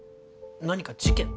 何か事件？